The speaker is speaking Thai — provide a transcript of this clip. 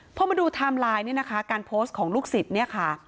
พอมาดูไทม์ไลน์การโพสต์ของลูกศิษย์